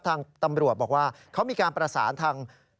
ทางตำรวจบอกว่าเขามีการประสานทาง